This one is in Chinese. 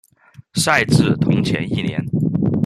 赛制同前一年。